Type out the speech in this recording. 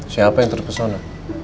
siapa yang terpesona